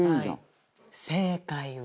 正解は。